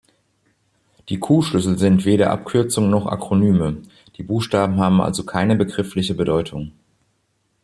Die Q-Schlüssel sind weder Abkürzungen noch Akronyme, die Buchstaben haben also keine begriffliche Bedeutung.